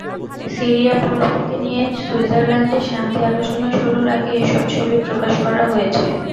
সিরিয়া-পরিস্থিতি নিয়ে সুইজারল্যান্ডে শান্তি আলোচনা শুরুর আগে এসব ছবি প্রকাশ করা হয়েছে।